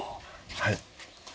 はい。